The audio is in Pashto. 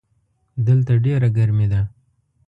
دلته ډېره ګرمي ده.